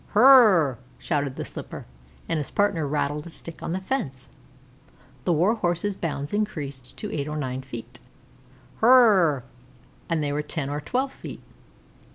"Hrrrrr!" shouted the slipper, and his partner rattled a stick on the fence. The Warhorse's bounds increased to eight or nine feet. "Hrrrrrr!" and they were ten or twelve feet.